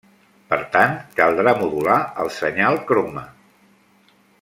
Per tant, caldrà modular el senyal croma.